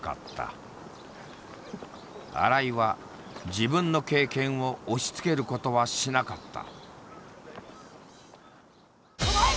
新井は自分の経験を押しつけることはしなかった。